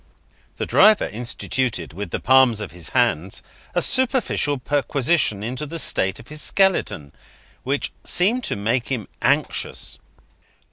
The driver instituted, with the palms of his hands, a superficial perquisition into the state of his skeleton; which seemed to make him anxious.